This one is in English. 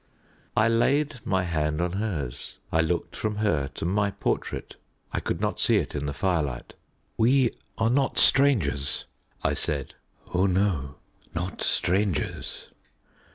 I laid my hand on hers. I looked from her to my portrait. I could not see it in the firelight. "We are not strangers," I said. "Oh no, not strangers."